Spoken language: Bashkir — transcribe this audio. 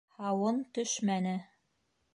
Һауын төшмәне.